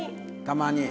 たまに。